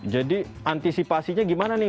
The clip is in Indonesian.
jadi antisipasinya gimana nih